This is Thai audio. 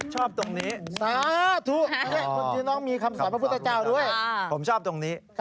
ชอบตรงนี้นะถูกนี่น้องมีคำสั่งพระพุทธเจ้าด้วยผมชอบตรงนี้